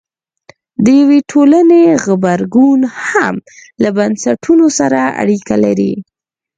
د یوې ټولنې غبرګون هم له بنسټونو سره اړیکه لري.